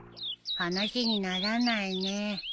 話にならないね。